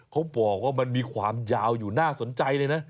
เขาบอกว่ามันมีความยาวอยู่น่าสนใจเลยนะ